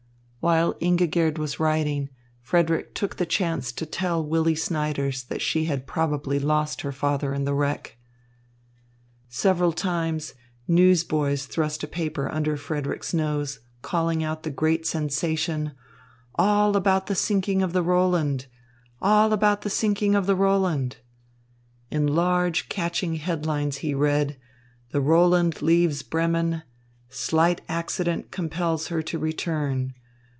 While Ingigerd was writing, Frederick took the chance to tell Willy Snyders that she had probably lost her father in the wreck. Several times newsboys thrust a paper under Frederick's nose, calling out the great sensation, "All about the sinking of the Roland! All about the sinking of the Roland!" In large, catching headlines he read: "The Roland leaves Bremen. Slight accident compels her to return.